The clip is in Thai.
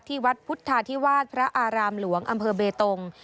วัดพุทธาธิวาสพระอารามหลวงอำเภอเบตง